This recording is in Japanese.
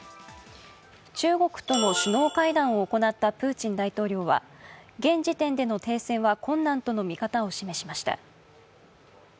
中国との首脳会談を行ったプーチン大統領は現時点での停戦は困難との見方を示しました。